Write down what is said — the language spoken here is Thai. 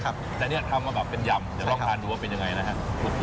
แต่นี่ทำมาเป็นยำจะลองทานดูว่าเป็นอย่างไรนะครับ